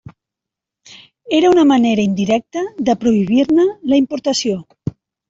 Era una manera indirecta de prohibir-ne la importació.